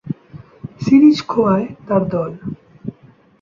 Series খোঁয়ায় তার দল।